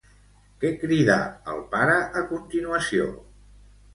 Què cridà el pare a continuació?